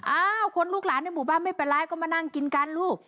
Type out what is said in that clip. อ้าวคนลูกหลานในหมู่บ้านไม่เป็นไรก็มานั่งกินกันลูก